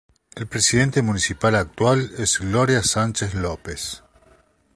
El presidente municipal actual es Gloria Sánchez López.